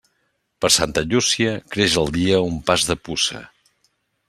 Per Santa Llúcia, creix el dia un pas de puça.